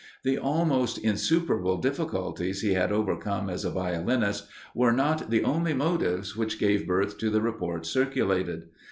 The almost insuperable difficulties he had overcome as a violinist, were not the only motives which gave birth to the reports circulated.